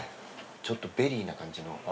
ちょっとベリーな感じの。